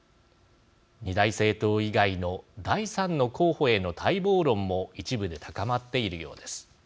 ２大政党以外の第３の候補への待望論も一部で高まっているようです。